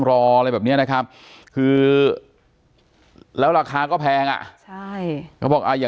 อ๋อเจ้าสีสุข่าวของสิ้นพอได้ด้วย